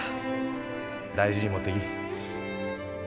大事に持っていき。